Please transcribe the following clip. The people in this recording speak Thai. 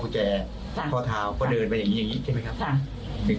ปกติต้องเป็นอย่างนี้แต่ว่าในเกณฑ์นี้เขาไม่ใส่เสื้อ